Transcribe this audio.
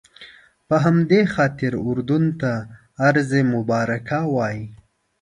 په همدې خاطر اردن ته ارض مبارکه وایي.